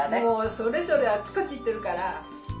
それぞれあっちこっち行ってるから。